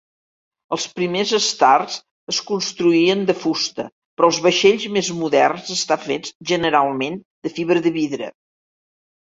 Els primers Stars es construïen de fusta, però els vaixells més moderns estan fets generalment de fibra de vidre.